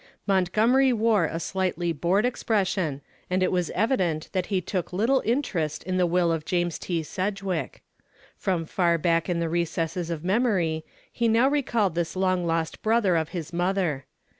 Montgomery wore a slightly bored expression, and it was evident that he took little interest in the will of James T. Sedgwick. From far back in the recesses of memory he now recalled this long lost brother of his mother.